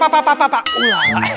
pak pak pak pak